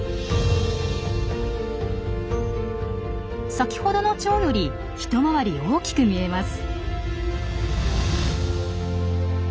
先ほどのチョウより一回り大きく見えます。